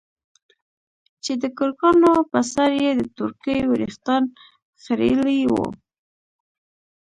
چې دکرکانو په سر يې د تورکي وريښتان خرييلي وو.